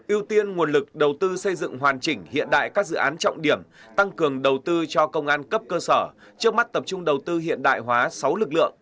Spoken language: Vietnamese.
ưu tiên nguồn lực đầu tư xây dựng hoàn chỉnh hiện đại các dự án trọng điểm tăng cường đầu tư cho công an cấp cơ sở trước mắt tập trung đầu tư hiện đại hóa sáu lực lượng